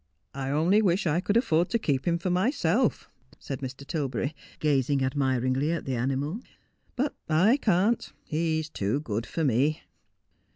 ' I only wish I could afford to keep him for myself,' said Mr. Tilberry, gazing admiringly at the animal ;' but I can't. He's too good for me.'